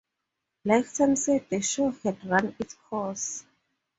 Lifetime said the show had run its course.